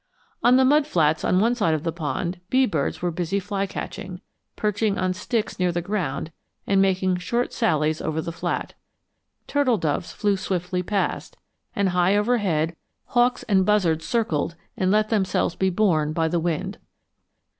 On the mud flats on one side of the pond, bee birds were busy flycatching, perching on sticks near the ground and making short sallies over the flat. Turtle doves flew swiftly past, and high over head hawks and buzzards circled and let themselves be borne by the wind.